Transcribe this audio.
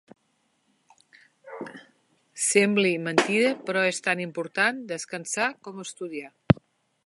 Sembla mentida, però és tan important descansar com estudiar.